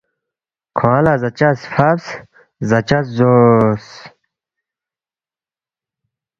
کھونگ لہ زاچس فبس، زاچس زوس